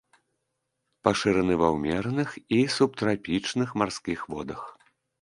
Пашыраны ва ўмераных і субтрапічных марскіх водах.